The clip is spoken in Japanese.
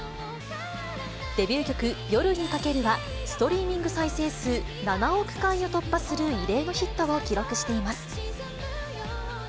デビュー曲、夜に駆けるは、ストリーミング再生数７億回を突破する異例のヒットを記録しています。